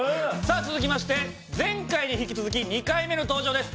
続きまして前回に引き続き２回目の登場です。